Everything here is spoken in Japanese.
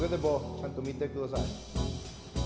ちゃんとみてください。